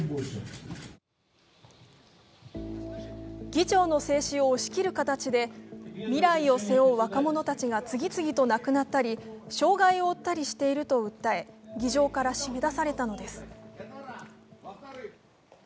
議長の制止を押し切る形で未来を背負う若者たちが次々と亡くなったり、障害を負ったりしていると訴え議場から閉め出されたのです。